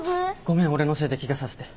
ごめん俺のせいでケガさせて。